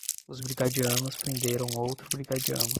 Os brigadianos prenderam outro brigadiano